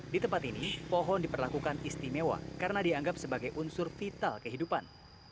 di tempat ini pohon diperlakukan istimewa karena dianggap sebagai unsur vital kehidupan